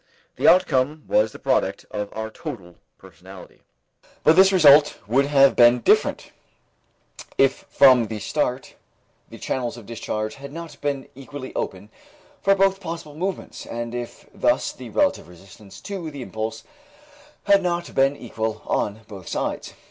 The outcome was the product of our total personality. But this result would have been different, if from the start the channels of discharge had not been equally open for both possible movements, and if thus the relative resistance to the impulse had not been equal on both sides.